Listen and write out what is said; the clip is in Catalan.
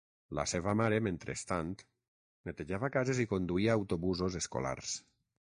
La seva mare, mentrestant, netejava cases i conduïa autobusos escolars.